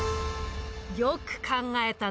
よく考えたな。